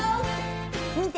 見て！